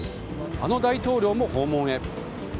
あの大統領も訪問へ。